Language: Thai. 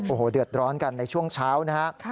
โอ้โหเดือดร้อนกันในช่วงเช้านะครับ